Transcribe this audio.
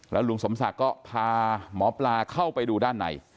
ลุงสมศักดิ์ก็พาหมอปลาเข้าไปดูด้านใน